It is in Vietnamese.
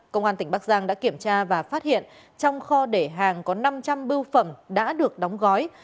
công an tỉnh bắc giang đã kiểm tra và phát hiện trong kho để hàng có năm trăm linh bưu phẩm đã được đóng gói